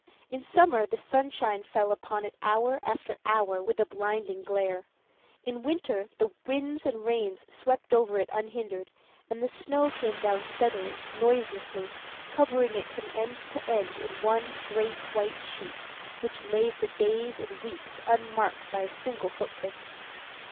In summer the sunshine fell upon it hour after hour with a blinding glare; in winter the winds and rains swept over it unhindered, and the snow came down steadily, noiselessly, covering it from end to end in one great white sheet, which lay for days and weeks unmarked by a single footprint.